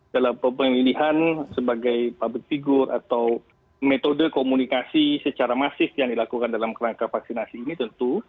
dalam pemilihan sebagai public figure atau metode komunikasi secara masif yang dilakukan dalam kerangka vaksinasi ini tentu